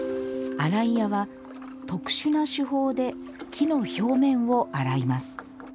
洗い屋は特殊な手法で木の表面を洗います。